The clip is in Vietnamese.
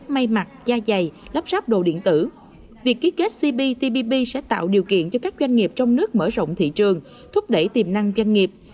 may mặt da dày lắp ráp đồ điện tử việc ký kết cptpp sẽ tạo điều kiện cho các doanh nghiệp trong nước mở rộng thị trường thúc đẩy tiềm năng doanh nghiệp